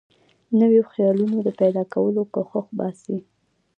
نویو خیالونو د پیدا کولو کوښښ باسي.